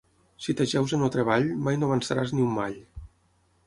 Si t'ajeus en el treball, mai no avançaràs ni un mall.